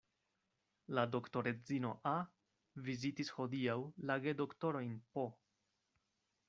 La doktoredzino A. vizitis hodiaŭ la gedoktorojn P.